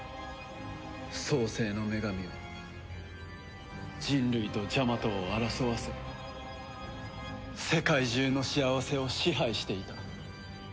創世の女神は人類とジャマトを争わせ世界中の幸せを支配していた。